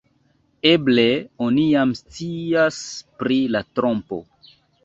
Eble oni jam scias pri la trompo.